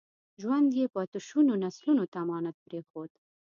ژوند یې پاتې شونو نسلونو ته امانت پرېښود.